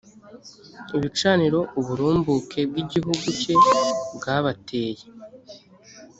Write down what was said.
ibicaniro uburumbuke bw’igihugu cye bwabateye